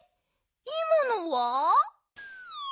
いまのは？